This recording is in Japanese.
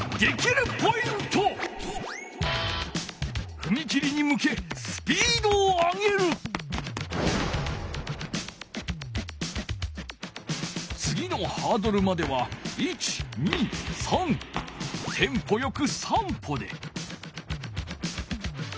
ふみ切りにむけつぎのハードルまではテンポよく３歩で。